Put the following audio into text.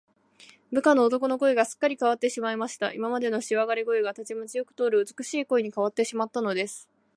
部下の男の声が、すっかりかわってしまいました。今までのしわがれ声が、たちまちよく通る美しい声にかわってしまったのです。